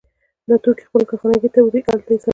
دا توکي خپلې کارخانې ته وړي او هلته یې ساتي